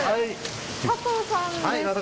佐藤さんですか。